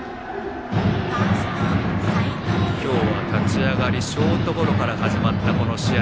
今日は立ち上がりショートゴロから始まったこの試合。